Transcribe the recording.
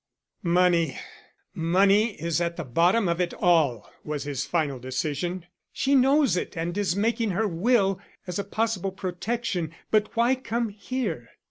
"Money! money is at the bottom of it all," was his final decision. "She knows it and is making her will, as a possible protection. But why come here?"